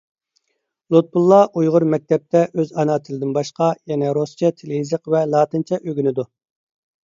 لۇتپۇللا ئۇيغۇر مەكتەپتە ئۆز ئانا تىلىدىن باشقا يەنە رۇسچە تىل-يېزىق ۋە لاتىنچە ئۆگىنىدۇ.